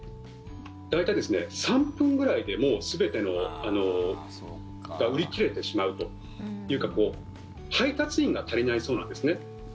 大体、３分ぐらいで全てが売り切れてしまうというか配達員が足りないそうなんですね。